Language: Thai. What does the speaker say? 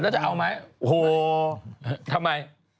หรอน่าจะเอาไหมโอ้โฮทำไม